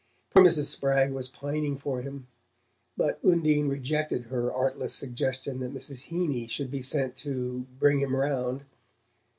Poor Mrs. Spragg was pining for him, but Undine rejected her artless suggestion that Mrs. Heeny should be sent to "bring him round."